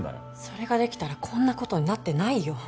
それが出来たらこんな事になってないよ。